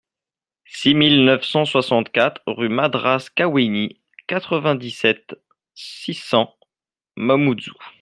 six mille neuf cent soixante-quatre rUE MADRASSE KAWENI, quatre-vingt-dix-sept, six cents, Mamoudzou